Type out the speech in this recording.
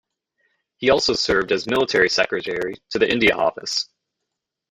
He also served as Military Secretary to the India Office.